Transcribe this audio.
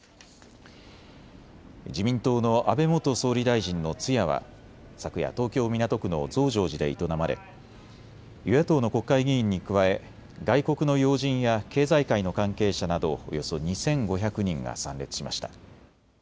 自民党の安倍元総理大臣の通夜は昨夜、東京港区の増上寺で営まれ与野党の国会議員に加え外国の要人や経済界の関係者などおよそ２５００人が参列しました。